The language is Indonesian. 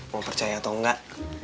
mau percaya atau enggak